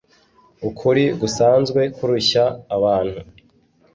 Ukuri gusanzwe kurushya abantu